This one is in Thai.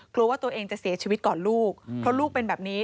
กลัวว่าตัวเองจะเสียชีวิตก่อนลูกเพราะลูกเป็นแบบนี้